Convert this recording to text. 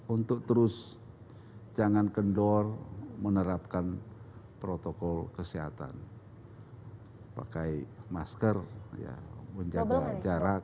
untuk terus jangan kendor menerapkan protokol kesehatan pakai masker menjaga jarak